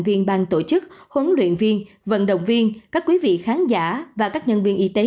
viên bang tổ chức huấn luyện viên vận động viên các quý vị khán giả và các nhân viên y tế